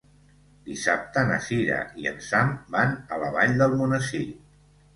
Dissabte na Sira i en Sam van a la Vall d'Almonesir.